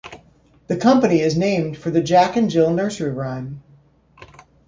The company is named for the Jack and Jill nursery rhyme.